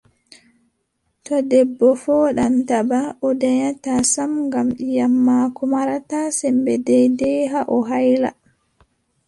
To debbo fooɗan taba, o danyataa sam ngam ƴiiƴam maako marataa semmbe deydey haa o hayla.